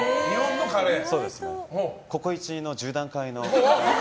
ココイチの１０段階の。